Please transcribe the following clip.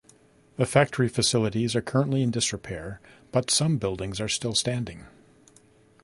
The factory facilities are currently in disrepair, but some buildings are still standing.